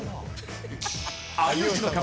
「有吉の壁」